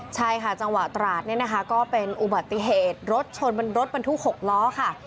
ใช่ค่ะจังหวะตราดเนี่ยนะคะก็เป็นอุบัติเหตุรถชนเป็นรถบรรทุก๖ล้อค่ะ